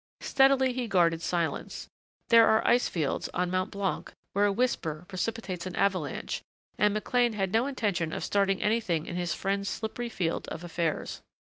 Steadily he guarded silence. There are ice fields, on Mont Blanc, where a whisper precipitates an avalanche, and McLean had no intention of starting anything in his friend's slippery field of affairs.